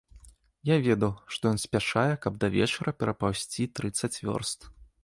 Я ведаў, што ён спяшае, каб да вечара перапаўзці трыццаць вёрст.